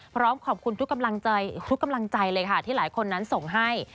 พร้อมขอบคุณทุกกำลังใจที่หลายคนนั้นส่งให้